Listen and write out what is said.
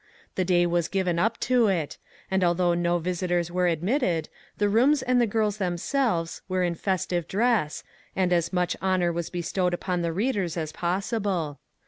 The day was given up to it, and although no visitors were admitted, the rooms and the girls themselves were in festive dress, and as much honor was bestowed upon the readers as possible.